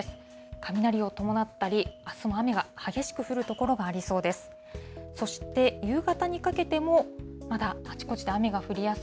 雷を伴ったり、あすも雨が激しく降る所がありそうです。